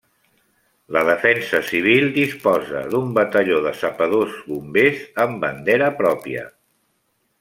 La defensa civil disposa d'un batalló de Sapadors -Bombers amb bandera pròpia.